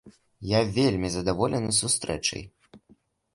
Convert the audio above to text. Я вельмі задаволены сустрэчай.